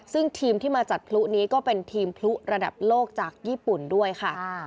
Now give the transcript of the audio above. ซึ่งทีมที่มาจัดพลุนี้ก็เป็นทีมพลุระดับโลกจากญี่ปุ่นด้วยค่ะ